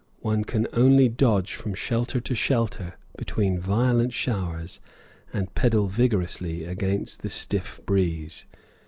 One can only dodge from shelter to shelter between violent showers, and pedal vigorously against the stiff breeze.